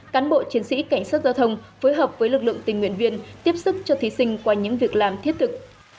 cán bộ chiến sĩ cảnh sát giao thông phối hợp với lực lượng tình nguyện viên tiếp sức cho thí sinh qua những việc làm thiết thực